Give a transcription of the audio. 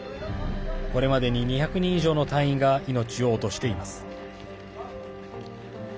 これまでに２００人以上の隊員が命を落としています。